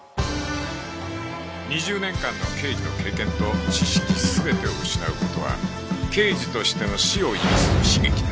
２０年間の刑事の経験と知識全てを失う事は刑事としての死を意味する悲劇だ